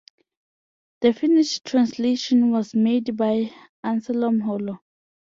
The Finnish translation was made by Anselm Hollo.